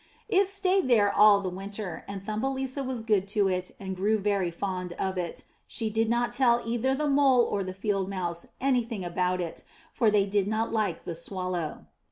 It stayed there all the winter, and Thumbelisa was good to it and grew very fond of it. She did not tell either the Mole or the Field Mouse anything about it, for they did not like the Swallow.